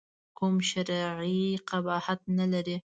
کوم شرعي قباحت نه لري.